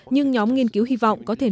nhưng nhóm nghiên cứu hy vọng có thể